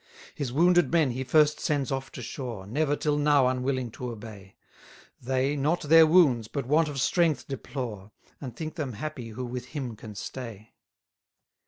74 His wounded men he first sends off to shore, Never till now unwilling to obey: They, not their wounds, but want of strength deplore, And think them happy who with him can stay.